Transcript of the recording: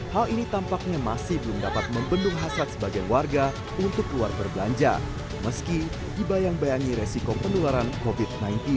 hal ini tampaknya masih belum dapat membendung hasrat sebagian warga untuk keluar berbelanja meski dibayang bayangi resiko penularan covid sembilan belas